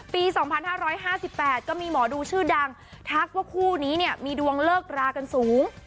ปี๒๕๕๘ก็มีหมอดูชื่อดังทักว่าคู่นี้เนี่ยมีดวงเลิกรากันสูง